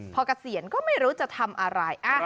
พอเกษียณก็ไม่รู้จะทำอะไร